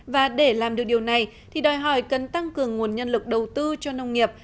và để làm được điều này thì đòi hỏi cần tăng cường nguồn nhân lực đầu tư cho nông nghiệp